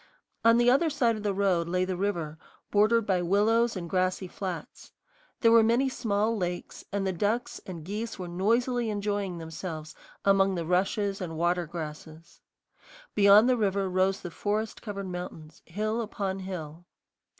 On the other side of the road lay the river, bordered by willows and grassy flats. There were many small lakes, and the ducks and geese were noisily enjoying themselves among the rushes and water grasses. Beyond the river rose the forest covered mountains, hill upon hill.